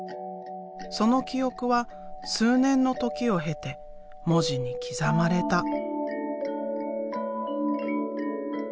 その記憶は数年の時を経て文字に刻まれた。